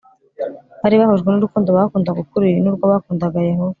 bari bahujwe n urukundo bakundaga ukuri n urwo bakundaga Yehova